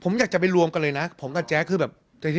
ผมอยากจะไปรวมกันเลยนะผมกับแจ๊คคือแบบ